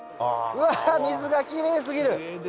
うわ水がきれいすぎる！